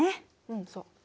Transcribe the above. うんそう。